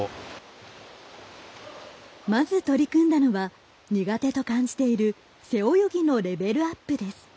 まず取り組んだのは苦手と感じている背泳ぎのレベルアップです。